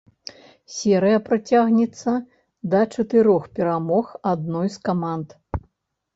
Серыя працягнецца да чатырох перамог адной з каманд.